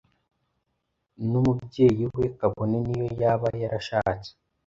numubyeyi we kabone n’iyo yaba yarashatse